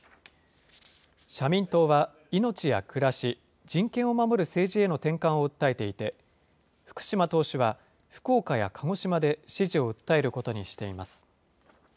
社民党は、命や暮らし、人権を守る政治への転換を訴えていて、福島党首は、福岡や鹿児島で支持を訴えることにしています。